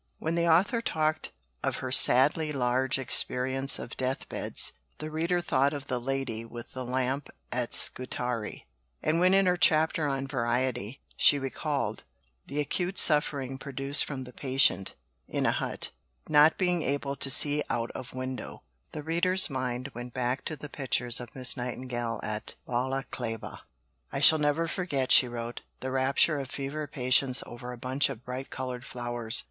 When the author talked of her "sadly large experience of death beds," the reader thought of the Lady with the Lamp at Scutari; and when in her chapter on "Variety" she recalled "the acute suffering produced from the patient (in a hut) not being able to see out of window," the reader's mind went back to the pictures of Miss Nightingale at Balaclava. "I shall never forget," she wrote, "the rapture of fever patients over a bunch of bright coloured flowers."